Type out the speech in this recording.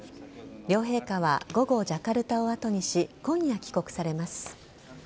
両陛下は午後ジャカルタを後にし今夜、帰国されます。